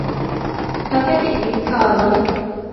ތަކެތި ވިއްކާލަން